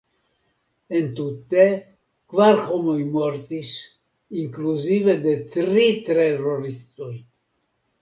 Entute, kvar homoj mortis, inkluzive de tri teroristoj.